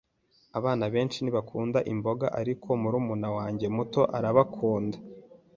Abana benshi ntibakunda imboga, ariko murumuna wanjye muto arabakunda.